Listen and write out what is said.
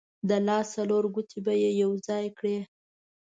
د لاس څلور ګوتې به یې یو ځای کړې.